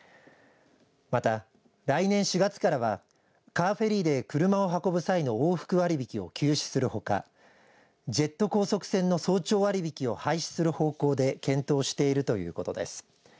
また、来年４月からはカーフェリーで車を運ぶ際の往復割引を休止するほかジェット高速船の早朝割引を廃止する方向で検討しているということです。